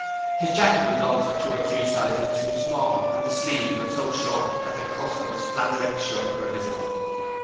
His jacket was also two or three sizes too small, and the sleeves were so short that the cuffs of his flanelette shirt were visible.